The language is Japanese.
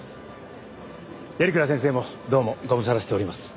鑓鞍先生もどうもご無沙汰しております。